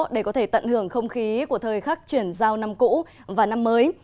để có thể tận hưởng không khí của thời khắc chuyển giao năm cũ và năm mới